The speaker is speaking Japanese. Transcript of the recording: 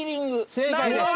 正解です。